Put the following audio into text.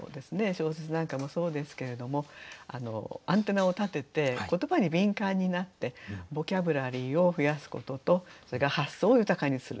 小説なんかもそうですけれどもアンテナを立てて言葉に敏感になってボキャブラリーを増やすこととそれから発想を豊かにする。